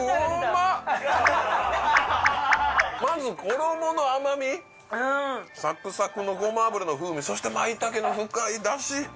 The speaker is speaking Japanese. まず衣の甘みうんサクサクのごま油の風味そして舞茸の深いだし